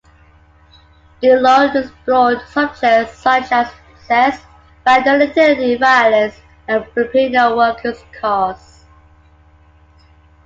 De Leon explored subjects such as incest, fraternity violence, and the Filipino workers' cause.